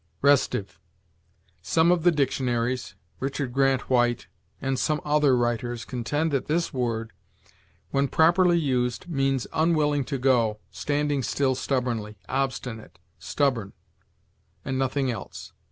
RESTIVE. Some of the dictionaries, Richard Grant White, and some other writers, contend that this word, when properly used, means unwilling to go, standing still stubbornly, obstinate, stubborn, and nothing else.